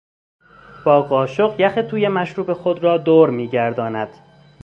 با قاشق، یخ توی مشروب خود را دور میگرداند.